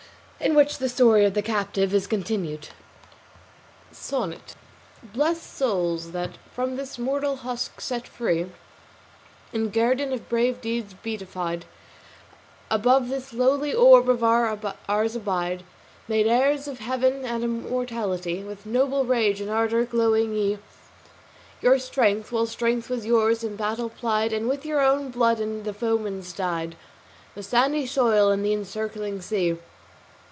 IN WHICH THE STORY OF THE CAPTIVE IS CONTINUED. SONNET "Blest souls, that, from this mortal husk set free, In guerdon of brave deeds beatified, Above this lowly orb of ours abide Made heirs of heaven and immortality, With noble rage and ardour glowing ye Your strength, while strength was yours, in battle plied, And with your own blood and the foeman's dyed The sandy soil and the encircling sea.